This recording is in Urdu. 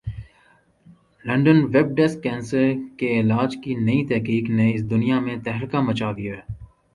لندن ویب ڈیسک کینسر کے علاج کی نئی تحقیق نے اس دنیا میں تہلکہ مچا دیا ہے